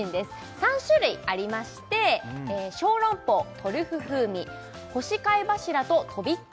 ３種類ありまして小籠包トリュフ風味干し貝柱ととびっこ